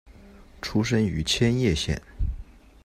出身于千叶县。